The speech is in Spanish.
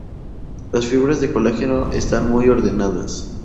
Las fibras de colágeno están muy ordenadas.